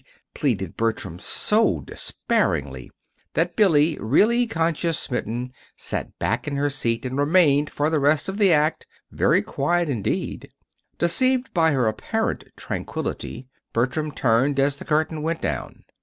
_" pleaded Bertram so despairingly, that Billy, really conscience smitten, sat back in her seat and remained, for the rest of the act, very quiet indeed. Deceived by her apparent tranquillity, Bertram turned as the curtain went down.